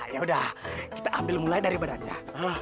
ya udah kita ambil mulai dari badannya